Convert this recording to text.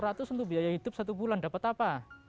rp enam ratus untuk biaya hidup satu bulan dapat apa